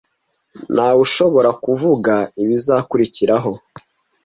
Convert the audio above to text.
Ntawushobora kuvuga ibizakurikiraho.